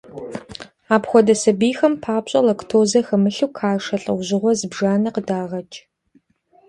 Апхуэдэ сабийхэм папщӀэ лактозэ хэмылъу кашэ лӀэужьыгъуэ зыбжанэ къыдагъэкӀ.